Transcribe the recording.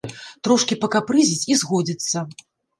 Трошкі пакапрызіць і згодзіцца!